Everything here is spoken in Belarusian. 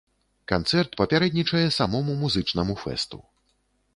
Канцэрт папярэднічае самому музычнаму фэсту.